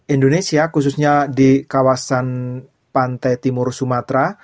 indonesia khususnya di kawasan pantai timur sumatera